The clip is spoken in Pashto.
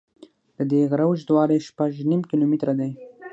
د دې غره اوږدوالی شپږ نیم کیلومتره دی.